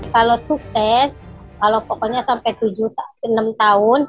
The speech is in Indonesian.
kalau sukses kalau pokoknya sampai enam tahun